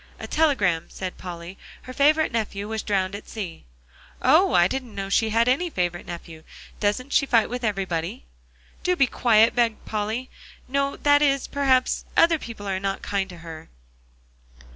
"A telegram," said Polly. "Her favorite nephew was drowned at sea." "Oh! I didn't know she had any favorite nephew. Doesn't she fight with everybody?" "Do be quiet," begged Polly. "No; that is, perhaps, other people are not kind to her."